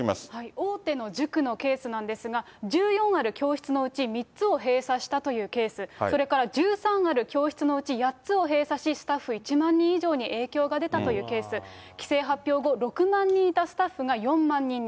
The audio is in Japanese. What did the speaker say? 大手の塾のケースなんですが、１４ある教室のうち３つを閉鎖したというケース、それから１３ある教室のうち８つを閉鎖し、スタッフ１万人以上に影響が出たというケース、規制発表後、６万人いたスタッフが４万人に。